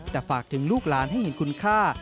แต่ฝากถึงลูกหลานให้เห็นคุณค่า